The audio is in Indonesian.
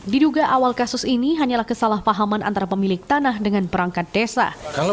diduga awal kasus ini hanyalah kesalahpahaman antara pemilik tanah dengan perangkat desa